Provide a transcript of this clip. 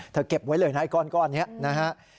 เก็บไว้เลยนะไอ้ก้อนนี้นะฮะ